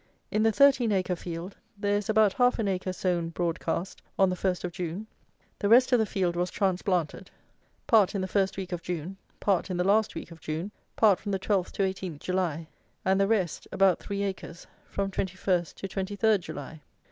In the thirteen acre field there is about half an acre sown broad cast on the 1st of June; the rest of the field was transplanted; part in the first week of June, part in the last week of June, part from the 12th to 18th July, and the rest (about three acres) from 21st to 23rd July.